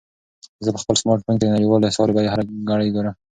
زه په خپل سمارټ فون کې د نړیوالو اسعارو بیې هره ګړۍ ګورم.